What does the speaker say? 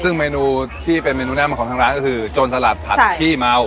ซึ่งเมนูที่เป็นเมนูแนะนำของทางร้านก็คือโจรสลัดผัดขี้เมา